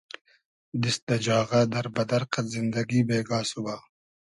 دیست دۂ جاغۂ، دئر بئدئر قئد زیندئگی بېگا سوبا